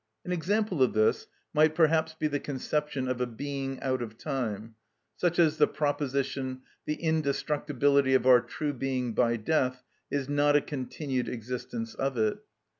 An example of this might perhaps be the conception of a being out of time; such as the proposition: the indestructibility of our true being by death is not a continued existence of it.